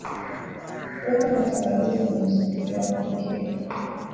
weka na tangawizi kwenye sufuria kupikia